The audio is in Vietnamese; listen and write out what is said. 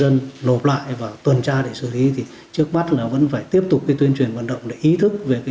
vận động nhân dân nộp lại và tuần tra để xử lý thì trước mắt là vẫn phải tiếp tục tuyên truyền vận động để ý thức về hậu quả